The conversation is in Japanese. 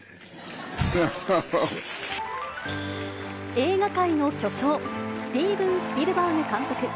映画界の巨匠、スティーブン・スピルバーグ監督。